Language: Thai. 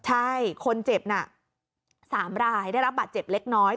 ใช่คนเจ็บน่ะ๓รายได้รับบาดเจ็บเล็กน้อย